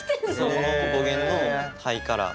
それの語源のハイカラー。